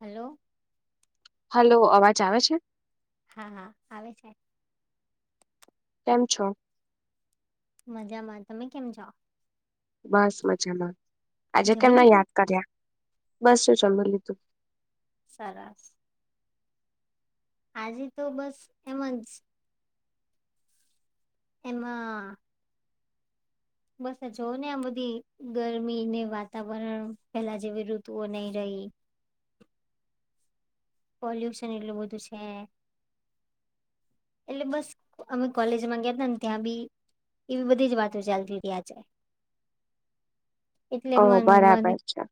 Hello. Hello અવાજ આવે છે. હા હા આવે છે. કેમ છો? મજામાં તમે કેમ છો? બસ મજામાં આજે જમી કેમને લીધું યાદ કર્યા બસ શું જમે લીધું. સરસ. આજે તો બસ એમજ એમાં બસ જોઓ ને આ બધી ગરમી ને વાતાવરણ પેલા જેવી ઋતુઓ નહી રહી. પોલ્યુશન એટલું બધું છે. એટલે બસ અમે કોલેજમાં ગયા ત ને ત્યાં બી એવી બધી જ વાતો ચાલતી આજે એટલે ઓહ મન મને બરાબર છે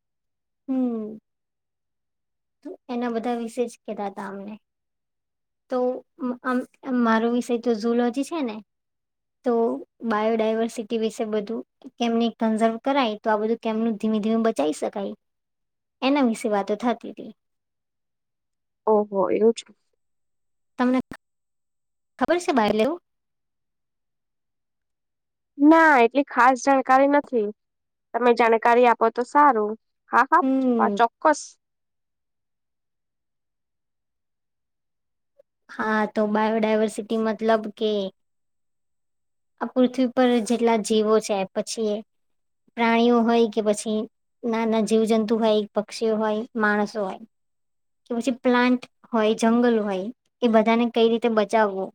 હમ એના બધા વિશે જ કેતા અમને તો આમ મારો વિષય તો ઝુલોજી છે ને તો બાયોડાયવર્સિટી વિશે બધું કેમને કન્ઝર્વ કરાય તો આ બધું કેમનું ધીમે ધીમે બચાવી શકાય એના વિશે વાતો થાતી હતી. ઓહો એવું છે. તમને ખબર છે બાઈ [inaudible] ના એટલી ખાસ જાણકારી નથી, તમે જાણકારી આપો તો સારું હા હા હમ ચોક્કસ હા તો બાયોડાયવર્સિટી મતલબ કે આ પૃથ્વી પર જેટલા જીવો છે પછી એ પ્રાણીઓ હોય કે પછી ના ના જીવજંતુ હોય, એ પક્ષીઓ હોય, માણસો હોય, કે પછી પ્લાન્ટ હોય, જંગલ હોય, એ બધાને કઈ રીતે બચાવવો,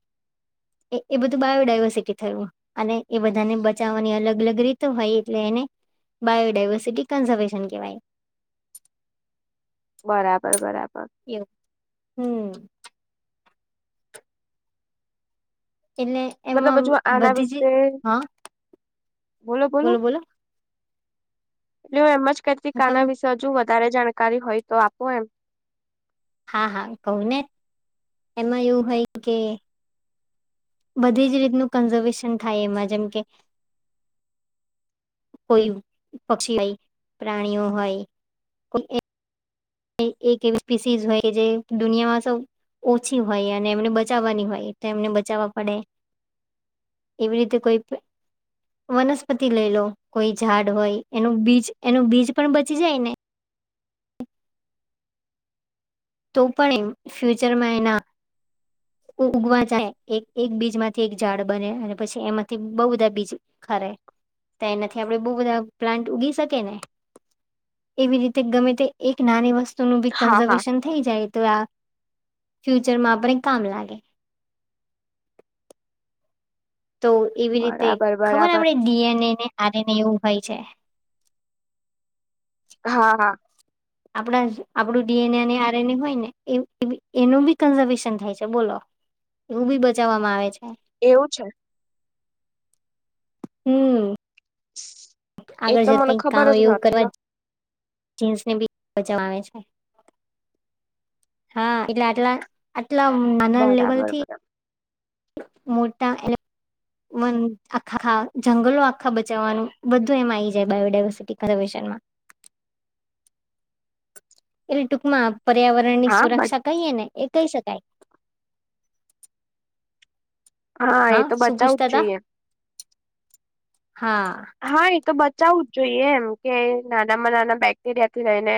એ બધું બાયોડાયવર્સિટી થયું. અને એ બધાને બચાવવાની અલગ અલગ રીતો હોય એટલે એને બાયોડાયવર્સિટી કન્ઝર્વેશન કહેવાય. બરાબર બરાબર. એવુ હમ્મ એટલે મતલબ એમાં હજુ આના બધી જ વિશે હા બોલો બોલો એટલે એમ જ કેતી તમ આના વિશે હજુ વધારે જાણકારી હોય તો આપો એમ, હા હા કહું ને એમાં એવું હોય કે બધી જ રીતનું કન્ઝર્વેશન થાય એમાં જેમ કે કોઈ પક્ષી હોય, પ્રાણીઓ હોય, કો એક એવી સ્પીસી હોય જે દુનિયામાં સવ ઓછી હોય અને એમને બચાવવાની હોય તો એમને બચાવવા પડે. એવી રીતે કોઈ વનસ્પતિ લઈ લો, કોઈ ઝાડ હોય, એનું બીજ એનું બીજ પણ બચી જાય ને તો પણ એમ ફ્યુચરમાં એના ઉગવા જાય એક એક બીજમાંથી એક ઝાડ બને અને પછી એમાંથી બઉુ બધા બીજ ખરે તો એનાથી આપડે બહુ બધા પ્લાન્ટ ઉગી શકે ને એવી રીતે ગમે તે એક નાની વસ્તુ ત નું ભી હા હા કન્ઝર્વેશન થઈ જાય તો આ ફ્યુચરમાં આપણે કામ લાગે તો એવી રીતે બરાબર ખબર બરાબર આપડે ડીએનએ ને આર એનએ એવું હોય છે હા હા આપડા આપડું ડીએનએ અને આરએનએ હોય ને એ એનું બી કન્ઝર્વેશન થાય છે બોલો એવું ભી બચાવવામાં આવે છે‌ એવું છે. હમ્મ [inaudible] [unintelligible] આગળ જ તો મને કઈક ખબર કામ જ એવું નહોતી કરવા હો. જીસને ભી બચવા આવે છે હા એટલે આટલા આટલા નાના બરાબર લેવલથી બરાબર મોટા એ વ આખા જંગલો આખા બચાવવાનું બધું એમ આવી જાય બાયોડાવર્સિટી એ ટૂંકમાં પર્યાવરણની હા સુરક્ષા કહીએ ને એ કહી શકાય. એ હા તો બચાવું સુભુછતા જ હતા, જોઈએ હા હા એ તો બચાવું જ જોઈએ એમ કે નાનામાં નાના બેક્ટેરિયાથી લઈને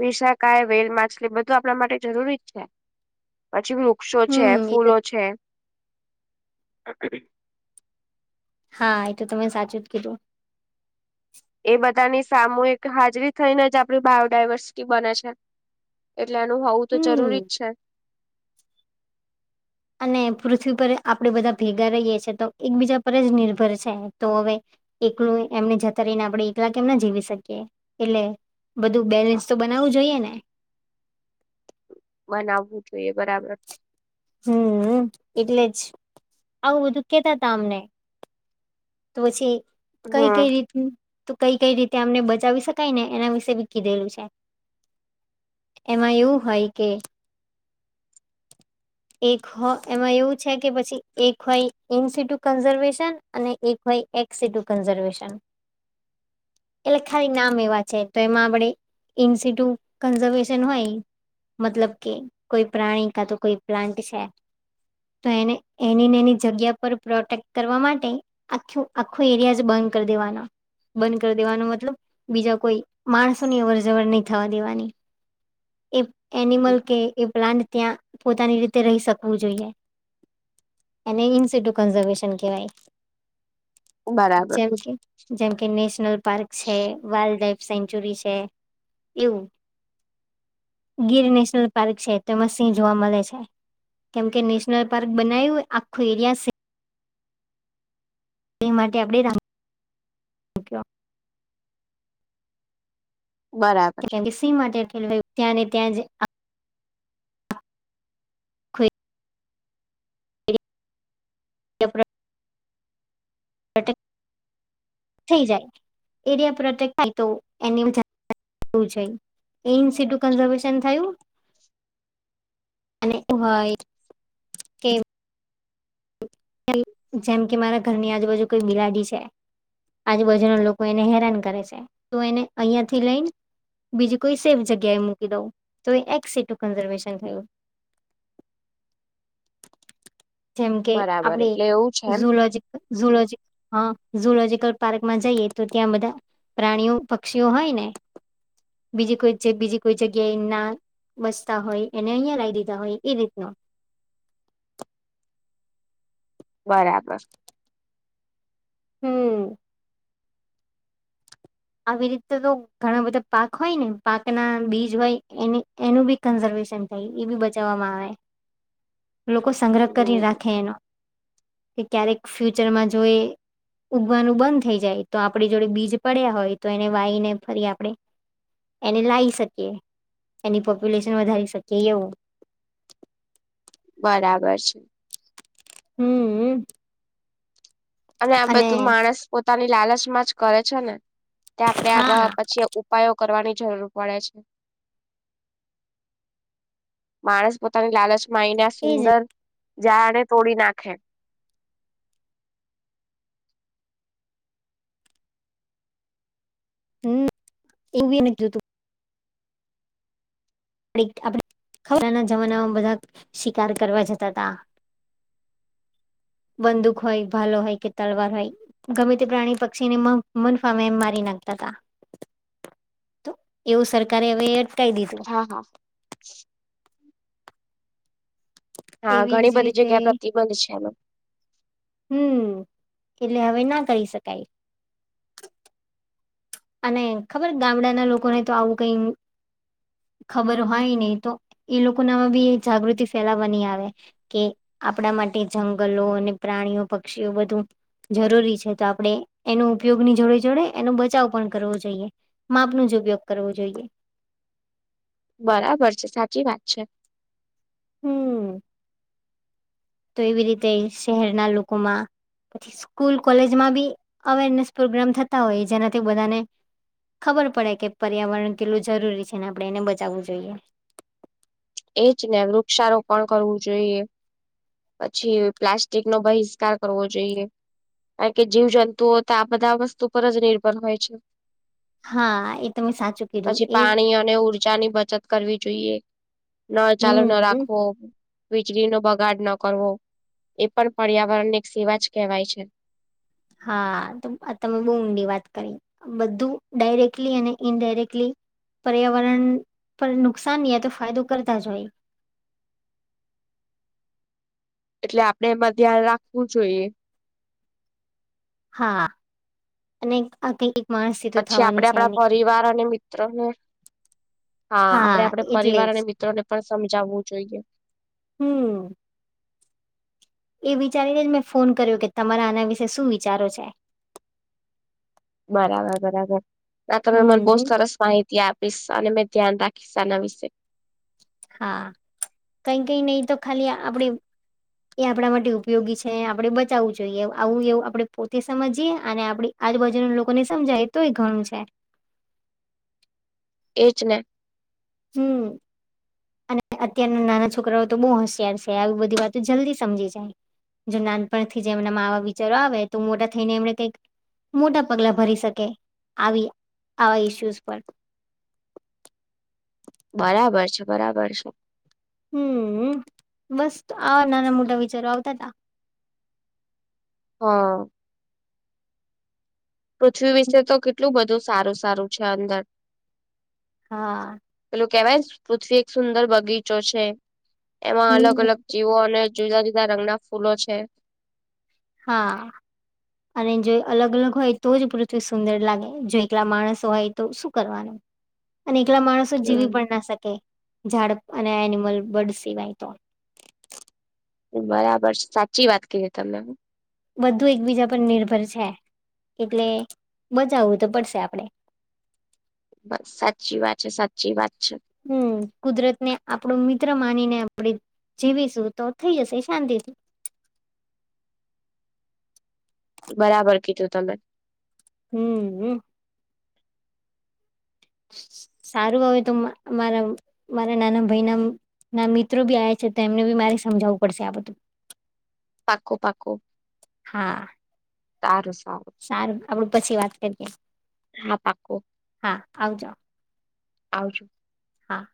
વિસાકાય વેલ માછલી બધું આપણા માટે જરૂરી જ છે. પછી વૃક્ષો છે હમ એ તો ફૂલો છે હા એ તો તમે સાચું જ કીધું એ બધાની સામૂહિક હાજરી થઈને જ આપડી બાયોડાયવર્સિટી બને છે એટલે એનું હોવું તો હમ જરૂરી જ છે અને પૃથ્વી પર આપણેે બધા ભેગા રહીએ છીએ તો એકબીજા પર જ નિર્ભર છે તો હવે એકલું એમને જતા રહીને આપણે એકલા કેમ ના જીવી શકીએ એટલે બધું બેલેન્સ તો બનાવવું જોઈએ ને બનાવવું જોઈએ બરાબર હમ એટલે જ આવું બધું કેતા તા અમને તો પછી કઈ કઈ હમ રીતનું તો કઈ કઈ રીતે અમને બચાવી શકાય ને એના વિશેે બી કીધેલું છે એમાં એવું હોય કે એક હો એમાં એવું છે કે પછી એક હોય ઇન્સીિટુ કન્ઝર્વેશન અને એક હોય એક ેશ એટલે ખાલી નામ એવા છે તો એમાં આપણે ઇન્સ્ટિટ્યુટ કન્ઝર્વેશન હોય મતલબ કે કોઈ પ્રાણી કા તો કોઈ પ્લાન્ટ છે તો એને એની ને એની જગ્યા પર પ્રોટેક્ટ કરવા માટે આખું આખું એરિયા જ બંધ કરી દેવાના બંધ કરી દેવાનું મતલબ બીજા કોઈ માણસોની અવર જવર નહી થવા દેવાની એ એનિમલ કે એ પ્લાન્ટ ત્યાં પોતાની રીતે રહી શકવું જોઈએ એને ઇન સટુ કન્ઝવેશન કેવાય બરાબર જેમ કે જેમ કે નેશનલ પાર્ક છે વાઇલ્ડ લઇફ સેન્ચુરી છે એવું ગીર નેશનલ પાર્ક છે તેમાં સિંહ જોવા મળે છે કેમ કે નેશનલ પાર્ક બનાય્યું આખું એરિયા તે માટે આપડે રામ બરાબર સ માટે ત્યા ત્યાં જ આખો [inaudible] થઈ જાય એરિયા પ્રોટેક્ટ થાય તો એની એવુ છે એ [unintelligible] થયું અને એ હોય કે જેમ કે મારા ઘરની આજુબાજુ કોઈ બિલાડી છે આજુબાજુ ના લોકો એને હેરાન કરે છે તું એને અહિયાં થી લઈને બીજી કોઈ સેફ જગ્યાએ મૂકી દઉં તો એ એક સીટ કન્ઝર્વેશન થયું જેમ કે બરાબર આપડ એટલે એવું છે એમ ઝુલોજી ઝહુલા જીક હા ઝહુડાજિક પાર્ક માં જઈએ તો ત્યાં બધા પ્રાણીઓ પક્ષીઓ હોય ને બીજી કોઈ બીજી કોઈ જગ્યા એ ના બસતા હોય એને અહી લાઈ દીધા હોય એ રીતના બરાબર હમ્મ આવી રીતે તો ઘણા બધા પાક હોય ને પાક ના બીજ હોય એની એનું બી કન્ઝર્વેશન થાય એ બી બચાવવામાં આવે લોકો સંગ્રહ કરી હમ રાખે એનો કે ક્યારેક ફ્યુચરમાં જોઈ ઉગવાનું બંધ થઈ જાય તો આપણી જોડે બીજ પડ્યા હોય તો એને વાઈને ફરી આપણે એને લાવી શકીએ એની પોપ્યુલેશન વધારી શકીએ એવું બરાબર છે હમ્મ અને આ બધું માણસ પોતાની લાલચમાં જ કરે છે ને તે આપડે હા આ પછી ઉપાયો કરવાની જરૂર પડે છે માણસ પોતાની લાલચમાંય ને આ સુંદર જાને તોડી નાખે હમ્મ એવું એ નથી જોતું આપ આપણે પહેલાના જમાનામાં બધા શિકાર કરવા જતા હતા બંદૂક હોય ભાલો હોય કે તલવાર હોય ગમે તે પ્રાણી પક્ષીને મન મનફાવે મારી નાખતા હતા તો એવું સરકારે હવે અટકાવી દીધું હા હા હા એવી ઘણી જ બધી રીતે જગ્યા પ્રતિબંધ છે એનો હમ્મ એટલે હવે ના કરી શકાય અને ખબર ગામડા ના લોકો ને તો આવું કઈ ખબર હોય નહી તો એ લોકો નામાં બી જાગૃતિ ફેલાવાની આવે કે આપણા માટે જંગલો અને પ્રાણીઓ પક્ષીઓ બધું જરૂરી છે તો આપડે એનો ઉપયોગની જોડે જોડે એનો બચાવ પણ કરવું જોઈએ માપ નો જ ઉપયોગ કરવો જોઈએ બરાબર છે સાચી વાત છે હમ્મ તો એવી રીતે શહેરના લોકોમાં પછી સ્કૂલ કોલેજમાં બી અવેરનેસ પ્રોગ્રામ થતા હોય જેનાથી બધાને ખબર પડે કે પર્યાવરણ કેટલું જરૂરી છે ને આપણે એને બચાવવું જોઈએ એજ ને વૃક્ષારોપણ કરવું જોઈએ પછી પ્લાસ્ટિક નો બહિષ્કાર કરવો જોઈએ કારણ કે જીવ જંતુઓ તો આ બધા વસ્તુ પર જ નિર્ભર હોય છે હા એ તમે સાચું કીધું પછી એ પાણી અને ઉર્જા ની બચત કરવી જોઈએ ન ચાલુ ના હમ રાખવો વીજળીનો બગાડ ન કરવો એ પણ પર્યાવરણ ને એક સેવા જ કહેવાય છે હા તો તમે બહુ ઊંડી વાત કરી બધું ડાયરેક્ટલી અને ઇનડાયરેક્ટલી પર્યાવરણ પર નુકસાનય તો ફાયદો કરતા જ હોય એટલે આપણે એમાં ધ્યાન રાખવું જોઈએ હા અને આ ક પછી આપડે આપણા પરિવાર અને મિત્રોને હા આપડે આપડે એટલે પરિવાર અને જ મિત્રો ને પણ સમજાવવું જોઈએ હમ્મ એ વિચારીને જ મેં ફોન કર્યો કે તમારા આના વિશે શું વિચારો છે બરાબર બરાબર આ તમે મન બહુ હમ સરસ માહિતી આપીશ અને મેં ધ્યાન રાખીશ આના વિશે હા કઈ કઈ નહી તો ખાલી આપણે એ આપણા માટે ઉપયોગી છે આપડે બચાવવું જોઈએ આવું એવું આપડણે પોતે સમજીએ અને આપણે આજુબાજુ લોકોને સમજાય તો એ ઘણું છે એજ ને હમ અને અત્યારના નાના છોકરાઓ તો બહુ હોશયાર છે આવી બધી વાતો જલ્દી સમજી જાય જો નાનપણથી જે એમના માવા વિચારો આવે તો મોટા થઈને એમને કઈક મોટા પગલા ભરી શકે આવી આવા ઈસ્યુઝ પર બરાબર છે બરાબર છે હમ બસ આવા નાના મોટા વિચારો આવતા હતાા હા પૃથ્વી વિશે તો કેટલું બધું સારું સારું છે અંદર હા પેલું કેવાય પૃથ્વી એક સુંદર બગીચો છે એમાં અલગ હમ અલગ જીવો અને જુદા જુદા રંગના ફૂલો છે હા અને જો અલગ અલગ હોય તો જ પૃથ્વી સુંદર લાગે જો એકલા માણસો હોય તો શું કરવાનું અને એકલા માણસો જીવી પણ હમ ના શકે ઝાડ અને એનિમલ બર્ડ સિવાય તો બરાબર સાચી વાત કરી તમે હું બધું એકબીજા પર નિર્ભર છે એટલે બચાવવું તો પડશે આપડે બસ સાચી વાત છે સાચી વાત છે હમ કુદરત ને આપણું મિત્ર માનીને આપડી જીવીશું તો થઈ જશે શાંતિથી બરાબર કીધું તમે હમ હમ સારું આવે તો મારા મારા નાના ભાઈ ના ના મિત્રો બી આવે છે તો એમને બી મારે સમજાવવું પડશે આ બધું પાકું પાકું હા આું સર સારું આપડું પછી વાત કરીએ હા પાકો હા આવજ આવજો હા